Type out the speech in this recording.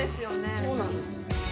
そうなんです